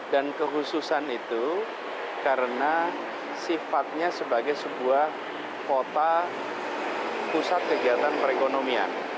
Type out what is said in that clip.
dan kehususan itu karena sifatnya sebagai sebuah kota pusat kegiatan perekonomian